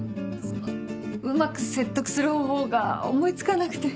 そのうまく説得する方法が思い付かなくて。